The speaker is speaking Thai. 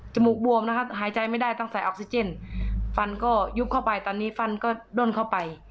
มูกบวมนะครับหายใจไม่ได้ต้องใส่ออกซิเจนฟันก็ยุบเข้าไปตอนนี้ฟันก็ด้นเข้าไป